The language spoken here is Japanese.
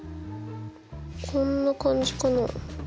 こんな感じかな？